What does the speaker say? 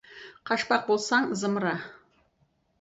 Қашпақ болсаң, зымыра.